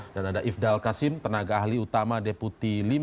dan ada ifdal kasim tenaga ahli utama deputi lima